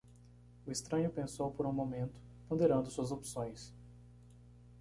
O estranho pensou por um momento, ponderando suas opções.